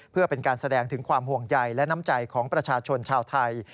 เพื่อเป็นการแสดงถึงความห่วงใยและน้ำใจของประชาชนชาวไทย